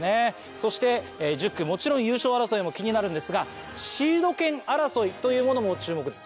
そして１０区もちろん優勝争いも気になるんですがシード権争いも注目です。